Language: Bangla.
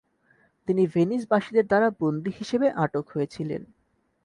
তিনি ভেনিসবাসীদের দ্বারা বন্দী হিসেবে আটক হয়েছিলেন।